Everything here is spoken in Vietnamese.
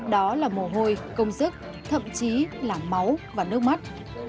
đó là mồ hôi công sức thậm chí là máu và nước mắt